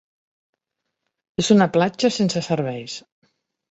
És una platja sense serveis.